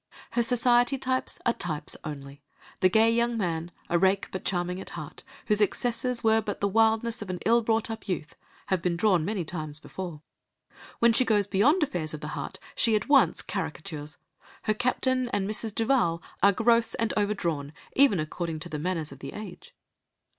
Her society types are types only; the gay young man, a rake, but charming at heart, whose excesses were but the wildness of an ill brought up youth, had been drawn many times before. When she goes beyond affairs of the heart she at once caricatures; her Captain and Mrs. Duval are gross and overdrawn even according to the manners of the age.